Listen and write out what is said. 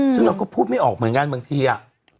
ซึ่งเราก็พูดไม่ออกเหมือนกันบางทีอ่ะ